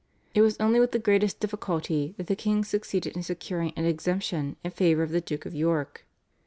It was only with the greatest difficulty that the king succeeded in securing an exemption in favour of the Duke of York.